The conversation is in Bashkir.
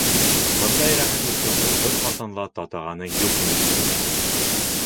Бындай рәхәтлекте ул бер ҡасан да татығаны юҡ ине шикелле.